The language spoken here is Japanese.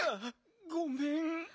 ごめん。